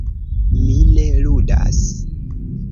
Mi ne ludas.